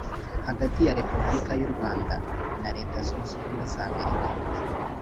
hagati ya repubulika y’u rwanda na leta zunze ubumwe z’amerika